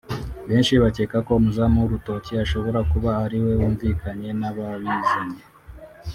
Benshi bakeka ko umuzamu w’urutoki ashobora kuba ariwe wumvikanye n’ababizanye